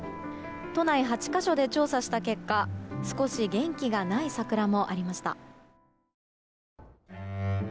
都内８か所で調査した結果少し元気がない桜もありました。